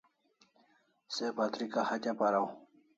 Se batrika hatya paraw